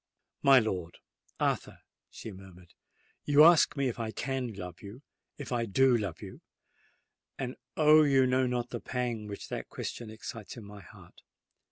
"My lord—Arthur," she murmured, "you ask me if I can love—if I do love you:—and, oh! you know not the pang which that question excites in my heart!